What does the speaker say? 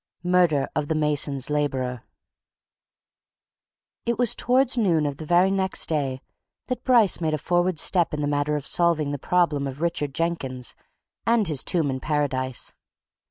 MURDER OF THE MASON'S LABOURER It was towards noon of the very next day that Bryce made a forward step in the matter of solving the problem of Richard Jenkins and his tomb in Paradise.